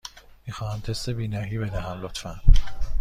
می خواهم تست بینایی بدهم، لطفاً.